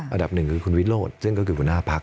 อันดับหนึ่งคือคุณวิโรธซึ่งก็คือหัวหน้าพัก